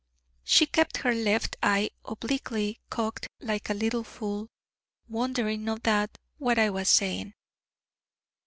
She kept her left eye obliquely cocked like a little fool, wondering, no doubt, what I was saying.